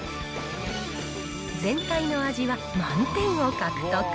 全体の味は満点を獲得。